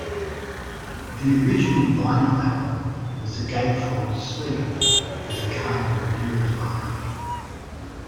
The original vinyl album was a gatefold sleeve, with a cardboard lyric liner.